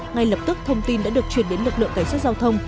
ngay lập tức thông tin đã được truyền đến lực lượng cảnh sát giao thông